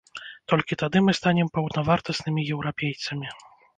Толькі тады мы станем паўнавартаснымі еўрапейцамі.